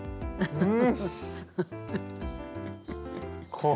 うん。